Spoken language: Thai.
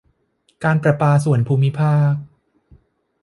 การประปาส่วนภูมิภาค